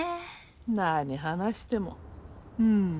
何話しても「ん」